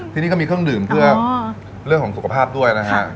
ที่นี่ก็มีเครื่องดื่มเพื่อเรื่องของสุขภาพด้วยนะฮะ